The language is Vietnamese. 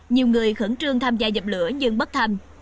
nhiều người khẩn trương tham gia dập lửa nhưng bất thành